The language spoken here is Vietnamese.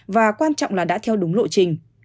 và quan trọng là đã theo đúng lộ trình